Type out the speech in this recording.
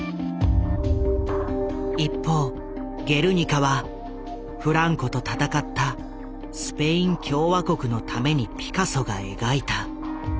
一方「ゲルニカ」はフランコと戦ったスペイン共和国のためにピカソが描いた。